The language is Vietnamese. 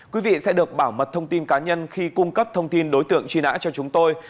quý vị sẽ được bảo mật thông tin cá nhân khi cung cấp thông tin đối tượng truy nã cho chúng tôi